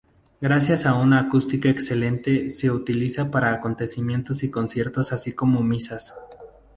Gracias a una acústica excelente se utiliza para acontecimientos y conciertos así como misas.